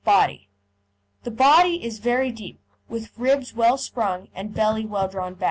BODY The body is very deep, with ribs well sprung and belly well drawn up.